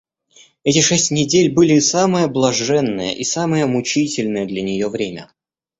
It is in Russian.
Эти шесть недель были самое блаженное и самое мучительное для нее время.